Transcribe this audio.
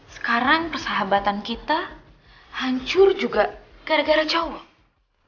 sekarang persahabatan kita hancur juga gara gara jauh